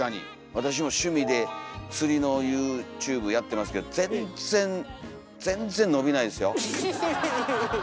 私も趣味で釣りのユーチューブやってますけど全然全然伸びないですよ。